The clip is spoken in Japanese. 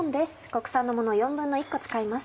国産のもの１／４個使います。